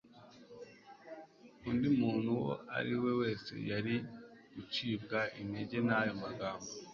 Undi muntu uwo ari we wese yari gucibwa intege n'ayo magambo.